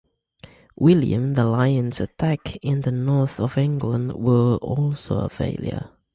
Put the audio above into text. William the Lion's attacks in the north of England were also a failure.